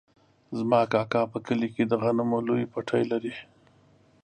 زما کاکا په کلي کې د غنمو لوی پټی لري.